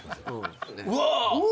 うわ！